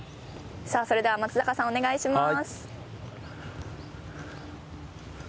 さあそれでは松坂さんお願いします。